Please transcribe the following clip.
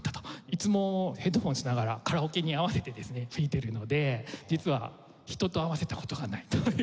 いつもヘッドホンしながらカラオケに合わせてですね吹いてるので実は人と合わせた事がないという事に。